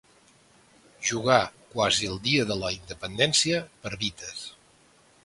jugar quasi el Dia de la Independència per Vitas